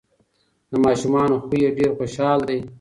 د ماشومانو خوی یې ډیر خوشحال دی.